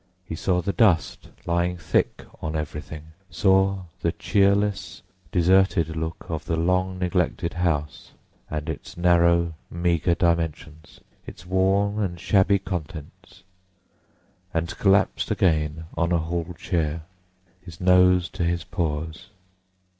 He saw the dust lying thick on everything, saw the cheerless, deserted look of the long neglected house, and its narrow, meagre dimensions, its worn and shabby contents—and collapsed again on a hall chair, his nose to his paws.